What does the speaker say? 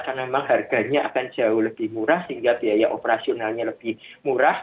karena memang harganya akan jauh lebih murah sehingga biaya operasionalnya lebih murah